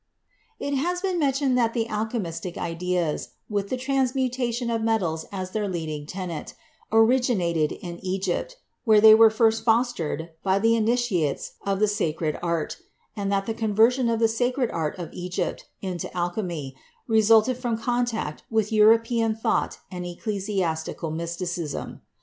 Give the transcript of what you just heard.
It has been mentioned that the alchemistic ideas, with the transmutation of metals as their leading tenet, origi nated in Egypt, where they were first fostered by the initiates of the "Sacred Art"; and that the conversion of the sacred art of Egypt into alchemy resulted through con tact with European thought and ecclesiastical mysticism.